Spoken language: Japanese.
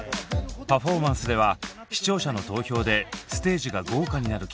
パフォーマンスでは視聴者の投票でステージが豪華になる企画に挑戦。